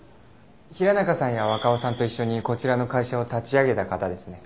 平中さんや若尾さんと一緒にこちらの会社を立ち上げた方ですね。